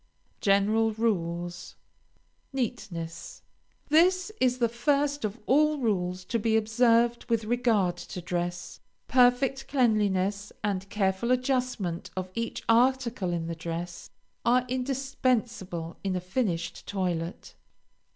GENERAL RULES. NEATNESS This is the first of all rules to be observed with regard to dress. Perfect cleanliness and careful adjustment of each article in the dress are indispensable in a finished toilet.